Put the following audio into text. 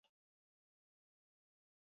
แบบภาษี